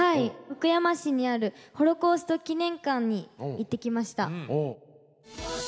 福山市にあるホロコースト記念館に行ってきました。